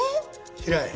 平井